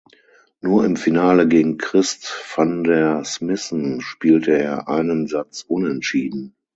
Nur im Finale gegen Christ van der Smissen spielte er einen Satz Unentschieden.